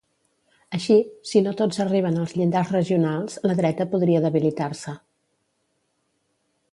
Així, si no tots arriben als llindars regionals, la dreta podria debilitar-se.